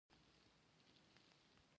ډېر خلک له دې امله سختې ناخوالې زغمي.